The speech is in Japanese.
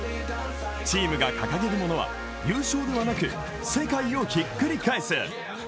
チームが掲げるものは優勝ではなく世界をひっくり返す。